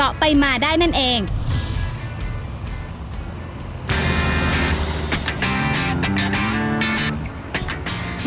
อาหารที่สุดในประวัติศาสตร์